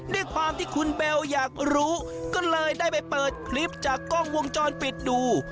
ด้วยความที่คุณเบลอยากรู้ก็เลยได้ไปเปิดคลิปจากกล้องวงจรปิดดู